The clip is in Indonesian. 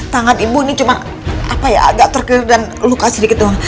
tangan ibu ini cuma agak terkelir dan luka sedikit doang